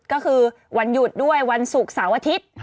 ก็คือวันหยุดด้วยวันศุกร์เสาร์อาทิตย์